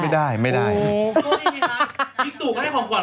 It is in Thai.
พี่ตุกก็ให้ของขวัดคุณไม่ต้องให้ของขวัด